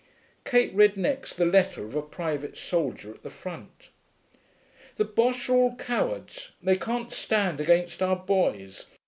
Kate read next the letter of a private soldier at the front. 'The Boches are all cowards. They can't stand against our boys.